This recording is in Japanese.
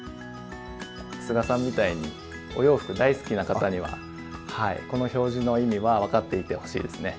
須賀さんみたいにお洋服大好きな方にはこの表示の意味は分かっていてほしいですね。